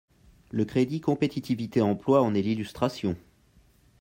Le crédit compétitivité emploi en est l’illustration.